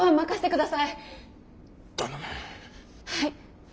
はい。